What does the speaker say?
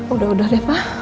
udah udah deh pak